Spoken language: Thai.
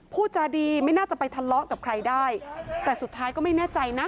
พูดจาดีไม่น่าจะไปทะเลาะกับใครได้แต่สุดท้ายก็ไม่แน่ใจนะ